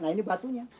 nah ini batunya